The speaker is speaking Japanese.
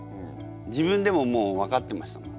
自分でももう分かってましたもん。